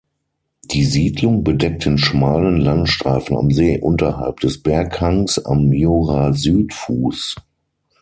Die Siedlung bedeckt den schmalen Landstreifen am See unterhalb des Berghangs am Jurasüdfuss.